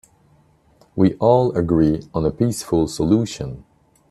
We all agree on a peaceful solution.